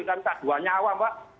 tapi pas dua nyawa mbak